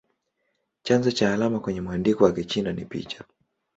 Chanzo cha alama kwenye mwandiko wa Kichina ni picha.